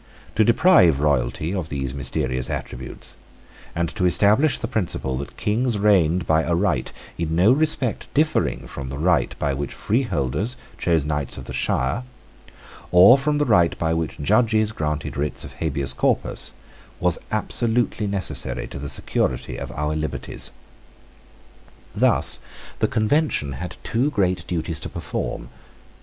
To deprive royalty of these mysterious attributes, and to establish the principle that Kings reigned by a right in no respect differing from the right by which freeholders chose knights of the shire, or from the right by which judges granted writs of Habeas Corpus, was absolutely necessary to the security of our liberties. Thus the Convention had two great duties to perform.